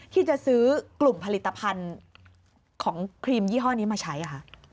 ที่จะซื้อกลุ่มผลิตภัณฑ์ของครีมยี่ห้อนี้มาใช้ค่ะ